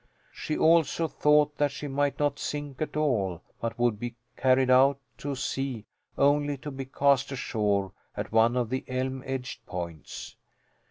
She also thought that she might not sink at all but would be carried out to sea only to be cast ashore at one of the elm edged points.